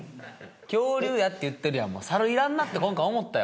恐竜やって言ってるやんサルいらんなって思ったよ